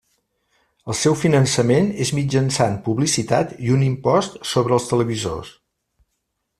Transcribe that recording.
El seu finançament és mitjançant publicitat i un impost sobre els televisors.